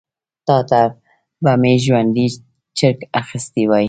تا ته به مي ژوندی چرګ اخیستی وای .